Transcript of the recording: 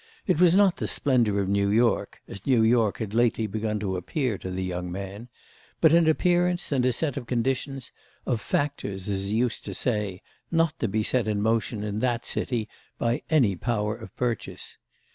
It was not the splendour of New York—as New York had lately begun to appear to the young man—but an appearance and a set of conditions, of factors as he used to say, not to be set in motion in that city by any power of purchase.